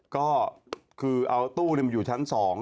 ก็คือเอาตู้มาอยู่ชั้น๒